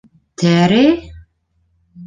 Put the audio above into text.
Тәре?!